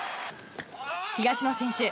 東野選手